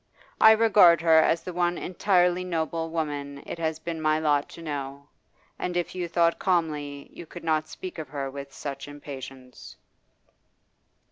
I regard her as the one entirely noble woman it has been my lot to know. And if you thought calmly you could not speak of her with such impatience.